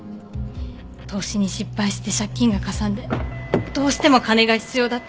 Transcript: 投資に失敗して借金がかさんでどうしても金が必要だったんです。